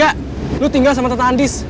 yang ada di rumah lo lo tinggal sama tante andis